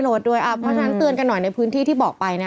เพราะฉะนั้นเตือนกันหน่อยในพื้นที่ที่บอกไปนะ